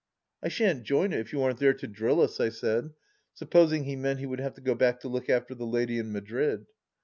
" I shan't join it if you aren't there to drill us 1 " I said, supposing he meant he would have to go back to look after the lady in Madrid.